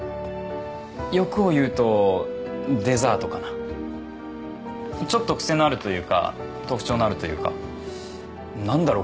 欲を言うとデザートかなちょっと癖のあるというか特徴のあるというかなんだろう？